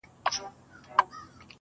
• ویل زما پر وینا غوږ نیسۍ مرغانو -